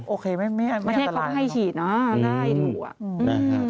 ใส่ว่าโอเคไม่มีอันตรายไม่ใช่เขาให้ฉีดได้ถูก